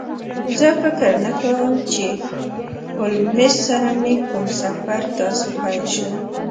زه فکر نه کوم چې له هولمز سره مې کوم سفر داسې پیل شو